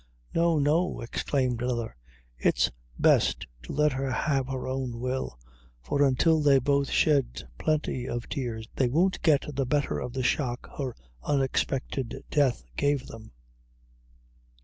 "No, no," exclaimed another, "it's best to let her have her own will; for until they both shed plenty of tears, they won't get the betther of the shock her unexpected death gave them."